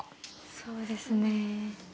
そうですね。